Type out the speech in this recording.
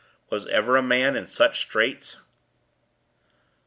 Was ever a man in such straits?